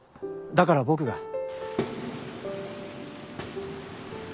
だから僕が。